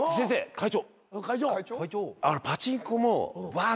会長！